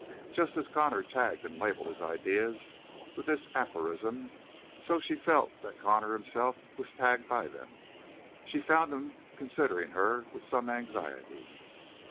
Just as Connor tagged and labeled his idea with this aphorism, so she felt that Connor himself was tagged by them. She found him considering her with some anxiety.